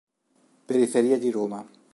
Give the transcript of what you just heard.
Periferia di Roma.